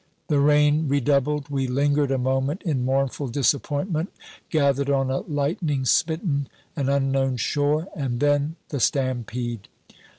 The rain redoubled. We lingered a moment in mournful disappointment, gathered on a lightning smitten and unknown shore and then the stampede.